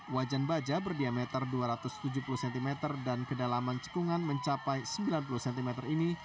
wajan baja berdiameter dua ratus tujuh puluh cm dan kedalaman cekungan mencapai sembilan puluh cm ini